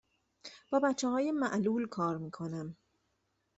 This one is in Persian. با بچه های معلول کار می کنم.